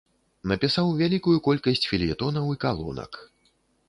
Напісаў вялікую колькасць фельетонаў і калонак.